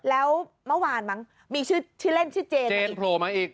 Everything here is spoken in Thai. แล้วเมื่อวานมั้งมีชื่อเล่นชื่อเจนเจนโผล่มาอีก